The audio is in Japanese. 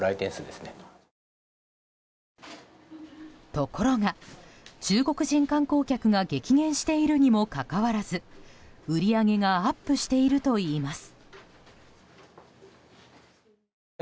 ところが、中国人観光客が激減しているにもかかわらず売り上げがアップしているといいます。